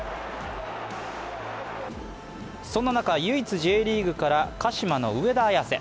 そんな中、唯一、Ｊリーグから鹿島の上田綺世。